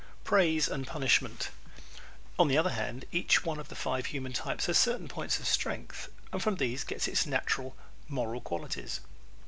Praise and Punishment ¶ On the other hand, each one of the five human types has certain points of strength and from these gets its natural "moral" qualities.